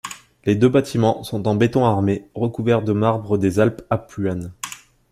Les deux bâtiments sont en béton armé, recouverts de marbre des Alpes Apuanes.